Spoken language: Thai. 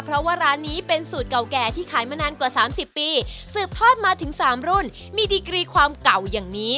เพราะว่าร้านนี้เป็นสูตรเก่าแก่ที่ขายมานานกว่า๓๐ปีสืบทอดมาถึง๓รุ่นมีดีกรีความเก่าอย่างนี้